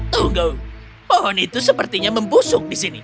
tunggu pohon itu sepertinya membusuk di sini